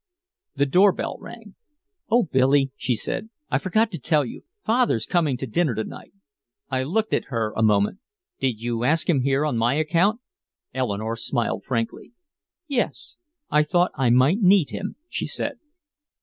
The door bell rang. "Oh Billy," she said, "I forgot to tell you. Father's coming to dinner to night." I looked at her a moment: "Did you ask him here on my account?" Eleanore smiled frankly. "Yes I thought I might need him," she said.